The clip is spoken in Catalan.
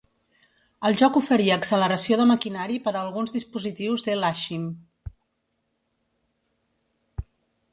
El joc oferia acceleració de maquinari per a alguns dispositius Dell Axim.